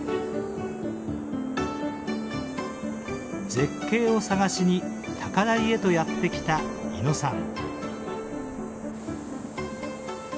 絶景を探しに高台へとやって来た伊野さん。